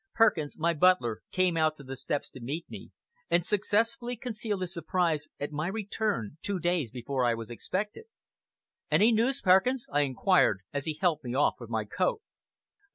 Perkins, my butler, came out to the steps to meet me, and successfully concealed his surprise at my return two days before I was expected. "Any news, Perkins?" I inquired, as he helped me off with my coat.